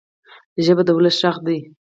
ژبه د ولس ږغ دی.